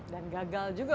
dan gagal juga mungkin